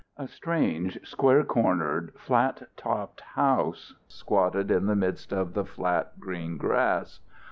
A strange, square cornered, flat topped house squatted in the midst of the flat green grass.